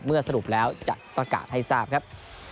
เมื่อสรุปแล้วจะต้องการให้ทราบครับ